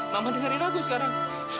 mama dengerin aku sekarang